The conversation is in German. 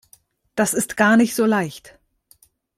Das ist gar nicht so leicht.